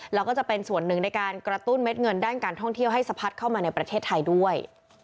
แล้วก็จะเป็นส่วนหนึ่งในการกระตุ้นเม็ดเงินด้านการท่องเที่ยวให้สะพัดเข้ามาในประเทศไทยด้วย